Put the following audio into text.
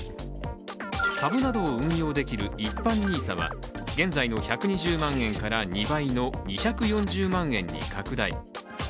株などを運用できる一般ＮＩＳＡは現在の１２０万円から、２倍の２４０万円に拡大。